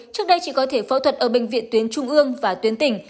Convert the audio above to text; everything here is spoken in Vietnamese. trước đây chị có thể phẫu thuật ở bệnh viện tuyến trung ương và tuyến tỉnh